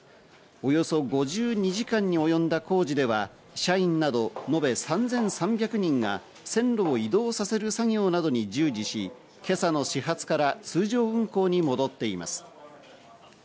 およそ５２時間におよんだ工事では、社員などのべ３３００人が線路を移動させる作業などに従事し、今朝の始発から通常運行に戻っています。